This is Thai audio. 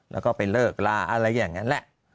แล้วก็ไปเลิกลาอะไรอย่างนั้นแหละ